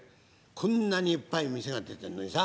こんなにいっぱい店が出てるのにさ」。